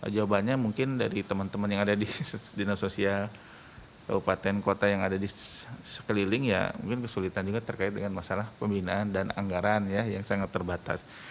jawabannya mungkin dari teman teman yang ada di dinas sosial kabupaten kota yang ada di sekeliling ya mungkin kesulitan juga terkait dengan masalah pembinaan dan anggaran ya yang sangat terbatas